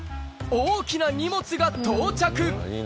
大きな荷物が到着